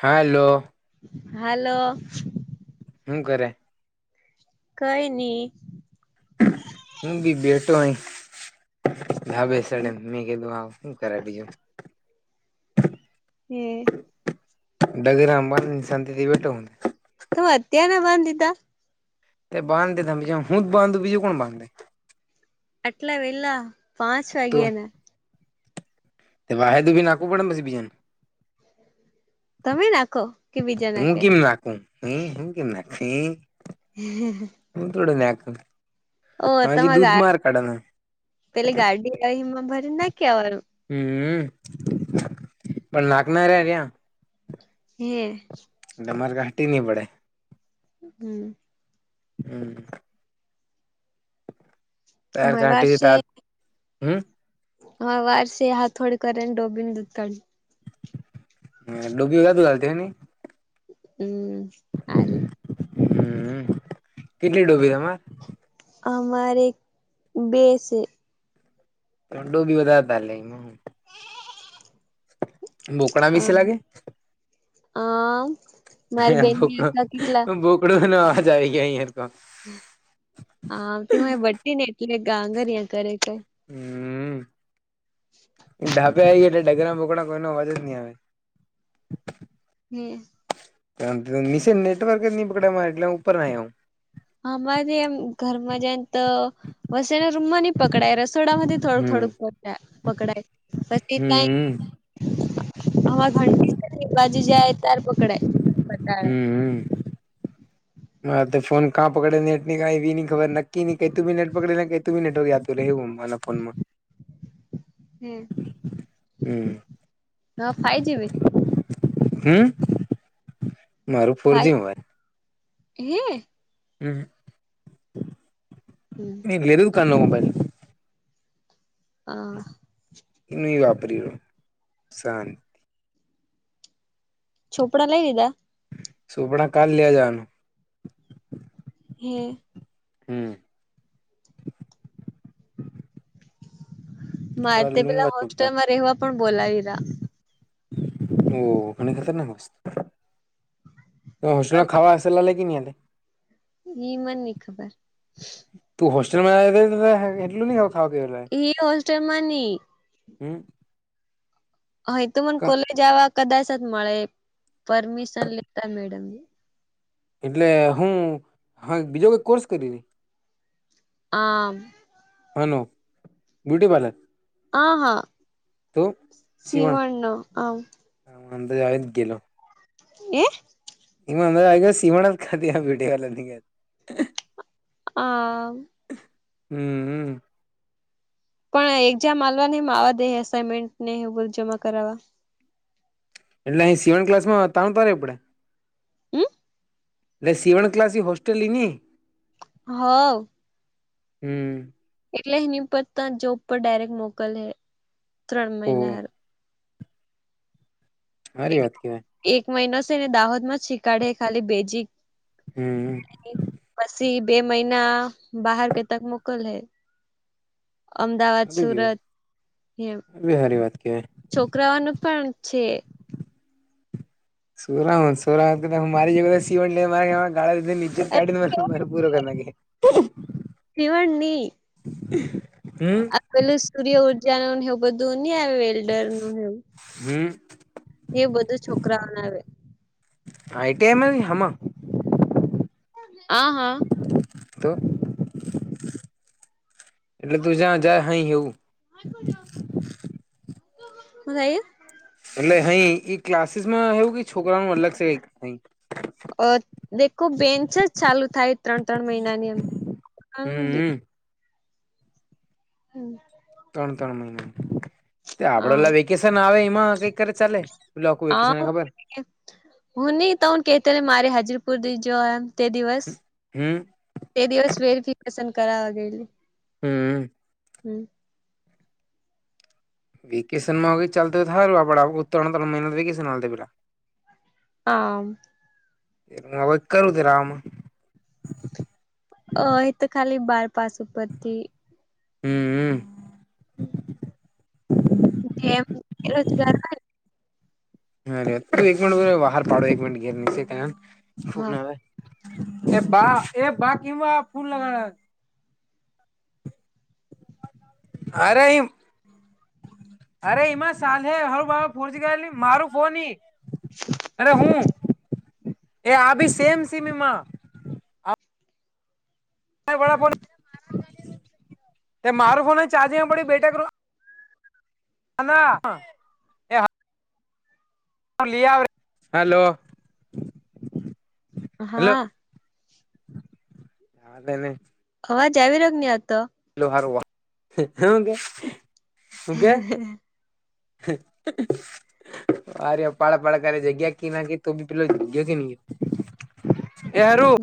Hello હાલો હુ કરે? કઈ નહી. હું બી બેઠો હય ધાબે સાડે એમ મેં કીધું હાવ હું કરે બીજુ એ ડગરા મન શાંતથી બેઠો હ તો અત્યારે બાંધતા, તે બાંધ દિધા બીજા હું જ બાંધ દું, બીજું કોણ બાંધે. આટલા વહેલા પાંચ વાગ્યા ને તે વાહેદુ બી નાખવુ પડે ને પછી બીજાને તમે નાખો, કે બીજા નાખે હ હું કે નાખ હ હ હુ તોડી નાખુ ઓ તમારે આ, પેલી ગાડી અહી એમાં ભરીને નાખ્યા આવાનું. હમ પણ લાગનારા રહ્યા હે તમાર ઘાટી નયી પડે. હમ, હમ, તાર અમાર કટી વારસે દિધા હમ, હા વારસી હાથોડ કરને ડોબીનુ દૂધ કાડુ, [unintelligible] ની હમ આલે. હમ કેટલી ડૂબી તમારે? અમારે બે સે. અંડુ બી વધારે [unintelligible] એમાં બોકડા વિશે લાગે? હા મારી બેનની [unintelligible] કેટલા પડવાનો અવાજ આવી ગયો અહીયાં. હા [unintelligible] બટ્ટી ને એટલે ગાંગર્યાં કરે છે. હમા [unintelligible] તું આયવી એટલે ડગરા બોકડા કોઈ નો અવાજ જ ની આવે. હમ. કેમકે નિસે નેટવર્ક જ ની પકડાય, મેં એટલે ઉપર આયો હું. અમારે એમ ઘરમાં જાય ન તો વસેના રૂમમાં ની પકડાય રસોડા માંથી થોડુંક હમ થોડુંક પકડાય પકડાય, વચ્ચે હમ ક્યાંય અમાર ઘંટી ક એ બાજુ જાય તાર પકડાય [unintelligible] હમ્મ [unintelligible] [unintelligible] ફોન માં હમ્મ હવ ફાઈ જીવી હમ્મ મારો ફોરજી મોબાઈલ હ હમ્મ હમ્મ. [unintelligible] [inaudible] મોબાઈલ હા નહીં વાપર્યુ શાન ચોપડા લઈ લીધા. ચોપડા કાલ લેવા જવાનું. હમ્મ. હમ્મ. મારે કાલ તે લુંગા પેલા ચોપડા હોસ્ટેલમાં રહેવા પણ બોલાવી લીધા. ઓહ [unintelligible] હ [unintelligible] રહ્યા ખાવા હશે [unintelligible] ઈ મન નઇ ખબર. તું હોસ્ટેલમાં [unintelligible] એટલે [unintelligible] એ હોસ્ટલમાં નઇ. હમ્મ. હ એ તો મને કોલેજ આવવા કદાચ જ મળે પરમિશન લેતા મેડમને. એટલે હું હા બીજો કઈ કોર્સ કરી? આમ શેનો બ્યુટી પાર્લર? આ હા. તો શિવણ સીવણનો આમ અંદર આવી જ ગેલો. હે [unintelligible] આ હમ હમ પણ આ એક્ઝામ આલવા ની [unintelligible] અસાઇનમેન્ટ ને એવું જમા કરાવવા એટલે એ સીવણ ક્લાસમાં તા પણ રેવું પડે હમ એટલે સિવન ક્લાસ એ હોસ્ટેલ ની ની હવ હમ એટલે એની ઉપર ત્યા જોબ પર ડાયરેક્ટ મોકલે ત્રણ ઓહ મહિના હારુ હારી વાત કહેવાય એક મહિનો છેને દાહોદમાં જ શીખાડે ખાલી બેજીક હમ પછી બે મહિના બહાર કેતાક મોકલે અમદાવાદ સુરત એમ એબી સારી વાત કેવાય છોકરાઓનું પણ છે છોકરાઓન છોરાઓન તો [unintelligible] [unintelligible] [unintelligible] પૂરો કરના ખેં સીવણ ની હમ આ પેલું સૂર્ય ઊર્જા ને એવું બધું ને આવે [unintelligible] એ બધું છોકરાઓને આવે આઈટીઆઇ કે હામાં અ હા તો એટલે તું જ્યાં જાય હહી એવું [inaudible] હું થયું એટલે અહી એ ક્લાસીસ માં એવું કઈ છોકરાઓનું અલગ છે નહીં અ દેખો બેન્ચ જ ચાલુ થાય ત્રણ ત્રણ મહિનાની એમ હમ હમ. હં ત્રણ ત્રણ મહિના આપડા અલા હા. વેકેશન આવે એમાં કંઇક કરે તો ચાલે આખું વેકેશન ખબર હું નહી તો હું કેતોને મારી હાજરી પુર દઈજો એમ તે દિવસ હમ તે દિવસ વેરિફિકેશન કરાવવા ગઈતી હમ હમ વેકેસનમાં આવી રીતે ચાલતા થાય આપડા [unintelligible] પેલા હ ના હોય તો કરુ [unintelligible] અ એ તો ખાલી બાર પાસ ઉપરથી હમ હમ હં એમ બેરોજગાર હોય અરે એક મિનિટ બહાર પાડો એક મિનટ હા [unintelligible] એ બા એ બા [unintelligible] ફૂલ [unintelligible] આરે ઈમ અરે ઈમાં સાાલ હે [unintelligible] [unintelligible] એ આ ભી સેમ સિનેમા માં [unintelligible] મારો ફોન ચાર્જિંગ પડી બેઠા કરો [unintelligible] એ હલો હલો હા [unintelligible] અવાજ આવી રહ્યો છે કે નથી આવતો [unintelligible] [unintelligible] અરે પાળ પાળ કરે [unintelligible] [unintelligible]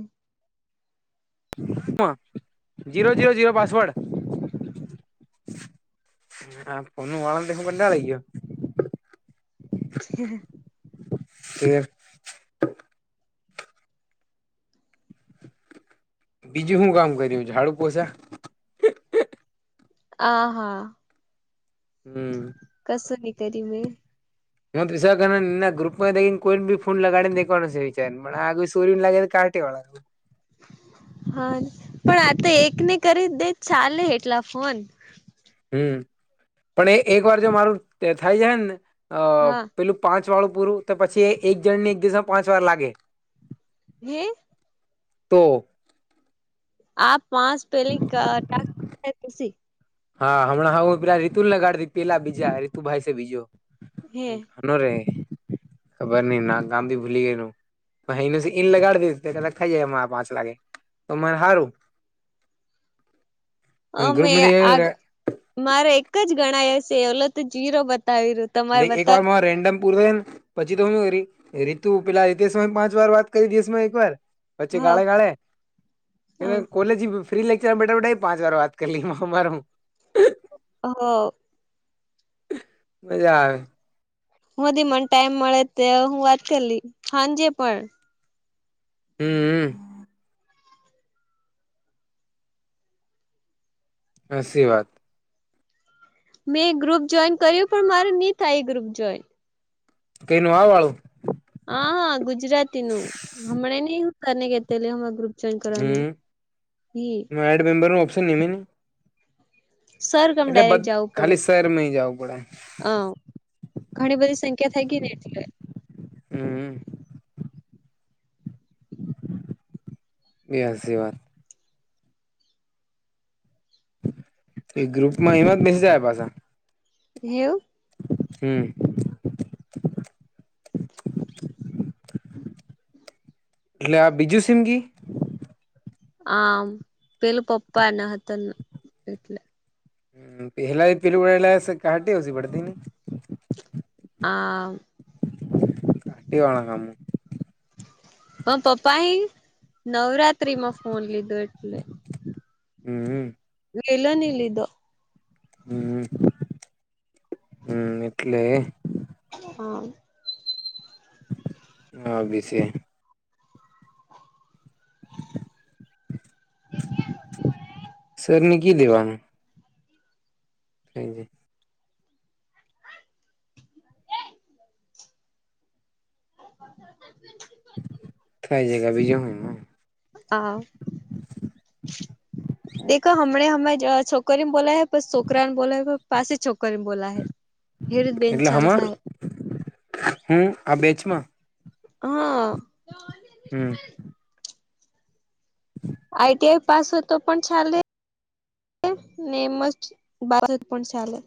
[unintelligible] ઝીરો ઝીરો ઝીરો પાસવર્ડ [unintelligible] [unintelligible] કે બીજું શું કામ કર્યું ઝાડુ પોછા આ હા હમ્મ કશું નહીં કરી મેં [unintelligible] ગ્રુપમાને કોઈ પણ બી ફોન લગાડનેેવાનું વિચારને આગ સરી લાગે તો કાઢટેવાાગ હા પણ આ એકને કરી દે ચાલે એટલા ફોન હમ્મ પણ એ એક વાર જો મારું થાય જાય નેને અ હા પેલું પાંચ વાળું પૂરું તો પછી એક જણને એક દિવસમાં પાંચ વાર લાગે [unintelligible] તો [unintelligible] હા હમણા પેલા રીતુ લગાડીતી પેલા બીજા રતુભાઈ છે બીજો હે [unintelligible] ભૂલી ગઈ ન ભાઈનેઇન લગાડ દે થાય જ પાંચ લાગે તો મને હારું [inaudible] અમે આગ ગ્રુપમાંથી મારે એક જ ગણાય હશે એલો તો જીરો બતાવી રહ્યો એક વાર રેન્ડમ [unintelligible] પછી તો હ રીતુ પેલા રીતેશ પાંચ વાર વાત કરી દિવસ માં એક વાર [unintelligible] હ કોલેજી ફ્રી લેક્ચર બેઠા પાંચ વાર વાત કરી લઈ અ મારો હ મજા આવે મને ટાઈમ મળે ત્યારે હું વાત કરલી હાંજે પણ હમ્મ હાચી વાત મેં ગ્રુપ જોઈન કર્યું પણ મારે નહી થાય એ ગ્રુપ જોઈન [unintelligible] હ હા ગુજરાતી નું હમણાં નની હુંતારને કેલી હ ગ્રુપ [unintelligible] હ એડ મેમ્રનું ઓપ્ન નિનીમે ને. સર ગમ એટલે બ ડાયરેક્ટ જવું પડે, ખાલી શહેર માં જવું પડે હ. ઘણી બધી સંખ્યા થઈ ગઈ ને એટલે. હમ્મ. બેસી વાત ગ્રુપમાં એમાં જ મેસેજ આપ્યા છે. એવું? હમ્મ. એટલે આ બીજું સીમગી? આ પેલું પપ્પા એના હતા એટલે. પહેલા પેલું વળલા કાટી આવશે પડતી ને. આ કટીવાળગામ [unintelligible] હ પપ્પાએ, નવરાત્રીમાં ફોન લીધો એટલે. હમ. ગેલાની લીધો. હમ, હમ એટલે. હા. ન બી છે. નિકી દેવાન. હ જી [unintelligible] [unintelligible] થાય જગા બીજ જો હોમાં. હા. [inaudible] દેખો હમને હમે છોકરીને બોલા હૈ બસ છોકરાને બોલા પાસે છોકરીને બોલા. હેડ બેન એટલે ચાલ હમાં, થાય હું આ બેચમાં? હા. હમ. [inaudible] આઈ ટી આઈ પાસ હો તો પણ ચાલે? નેમ જ બા પણ ચલે.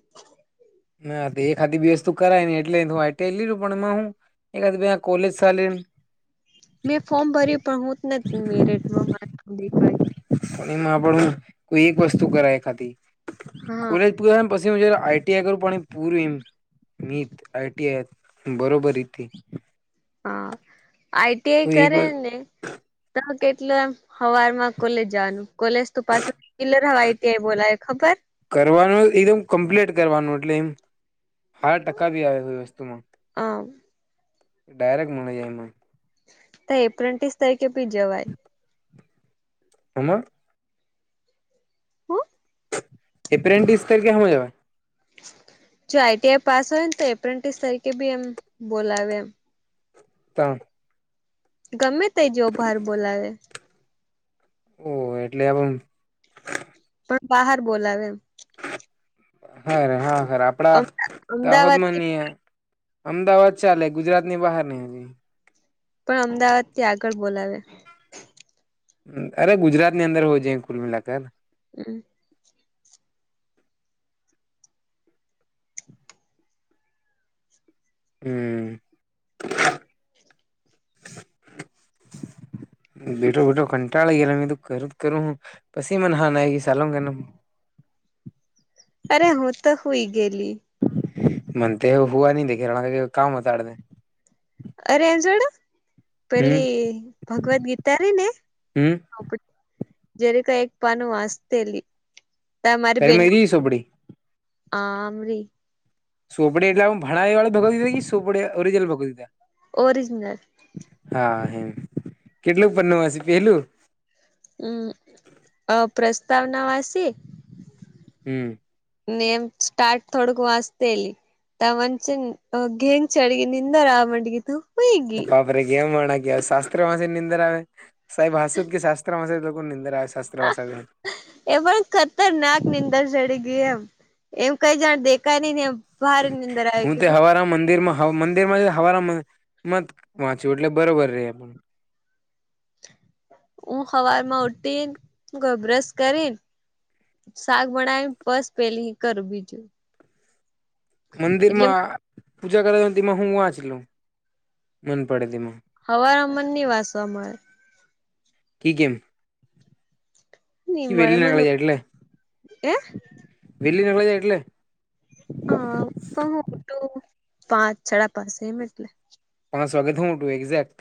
ના એ ખાધ બેસ્તુ કરાય ને એટલે તો લું પણ હું એકાદ બેયા કોલેજ શાલી. મેં ફોર્મ ભર્યું પણ હું જ નથી મેરેટમાં એક વાગ્યા. પણ એમાં પણ હું કોઈ એક વસ્તુ કરાય ખાધિ હા કોલે પરૂ પછી આઈટીઆઈ કરું પણ પૂરમ. મિત આઈ ટી આઈ બરોબર હતી. હા, આઈ ટી આઈ કોઈ એક કરે ને. તો કેટલું એમ હવારમાં કોલેજ જવાનું, કોલેજ તો પાસ કિલ્લર હવાઈથી બોલાય ખબર? કરવાનું એકદમ કમ્પ્લીટ કરવાનું, એટલે એમ હાર ટકા ભી આવે છે વસ્તુમાં. હમ. ડાયરેક્ટ મને જાયમાં. એપ્રેન્ટિસ તરીકે બી જવાય. હમાં? હું? એપ્રેલન્ટ્રીસ તારીખે સમવા જાવય. જો આઈટીઆઈ પાસ હોય ને તો એપ્રેન્ટિસ તરીકે બી એમ બોલાવે એમ. તણ [unintelligible] ગમે તે જોબ હારુ બોલાવે. ઓહ એટલે અમ પણ બહાર બોલાવે એમ. હેરે હા ખેર આપડા, અમદાવાદ થી દાહોદમાંની. અમદાવાદ ચાલે ગુજરાતની બહાર નઈ હજી. પણ અમદાવાદથી આગળ બોલાવે. અરે ગુજરાતની અંદર હોવુ જાયે કુલ મિલા કર. હમ. હમ. બેઠો બેઠો કંટાળી ગયેલા મે તો કરું જ કરું હું. પછી મને હાાનય સાલોગે ના. અરે હું તો હુઈ ગયલી. મનતે હુવા નહી દે ઘેર વાળા કામ વધારે દે. અરે એ જોડ હમ પેલી ભગવદ ગીતા ને. હમ જ્યારે કઈક પાનું વાસતેલી, તા મારી તારી બેન મેરી સોપડી આમરી. [unintelligible] સોપડે એટલેું ભણાઈ વાળે ભગાવીધા કે સોપડે ઓરજનલ ભગાવ ગીતા? ઓરિજનલ. હા હમ કેટલું પન્નુ વાંચે પેલું? હમ અ પ્રસ્તાવના વાંચી. હમ્મ. નેમ સ્ટાર્ટ થોડુંક વાસ્તે એલી. ત મન છેન ગેંગ ચડગ નિંદર માંડી ગીતુ. ઓ બાપરે કેવા માણસ કેવાય શાસ્ત્ર વાંચીને નિંદર આવે, સાહેબ હસુ કે શાસ્ત્ર માટે નિંદર્યા સસ્ આહ. એ પણ ખતરનાક નીંદર ચડી ગય એમ, એમ કઈ જાણ દેખાય નહી ને એમ. ભારે નીંદર આવી હું તે ગઈ હવારા મંદિર માં. હ મંદિર માં હવાના મત વાંચવ્યું એટલે બરોબર રહે. ઊ હવાર માં ઉઠીને બ્રસ કરી ને. શાક બનાાય બસ પેલી કર બીજું. એટલે મને મંદિરમાં પૂજા કરાવ તેમાં હું વાંચલું, મન પડે તેમાં. હવારમાં મને ની વાંચવા મળે. કી કેમ? ની મળે વલી ના મને અવાજ આવે એટલે? એ વેલી [unintelligible] એટલે? હા તો હું ઊઠું પાંચ સાડા પાંચ એમ એટલે. પાંચ વાગે તો હું તું એક્ઝેક્ટ.